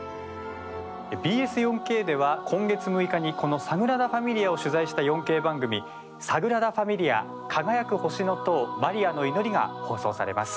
ＢＳ４Ｋでは、今月６日にこのサグラダ・ファミリアを取材した４Ｋ番組「サグラダ・ファミリア輝く星の塔マリアの祈り」が放送されます。